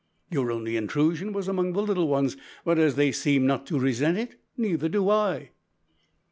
Your only intrusion was among the little ones, but as they seem not to resent it neither do I."